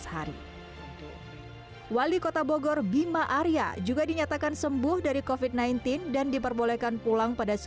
hari wali kota bogor bima arya juga dinyatakan sembuh dari covid sembilan belas dan diperbolehkan pulang pada